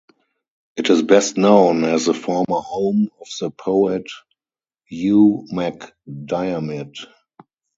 It is best known as the former home of the poet Hugh MacDiarmid.